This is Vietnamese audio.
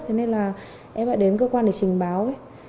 thế nên em lại đến cơ quan để trình báo